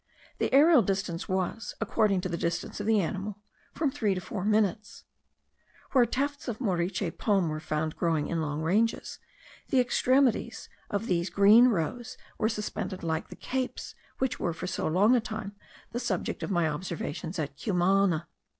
The aerial distance was, according to the distance of the animal, from 3 to 4 minutes. Where tufts of the moriche palm were found growing in long ranges, the extremities of these green rows were suspended like the capes which were, for so long a time, the subject of my observations at Cumana.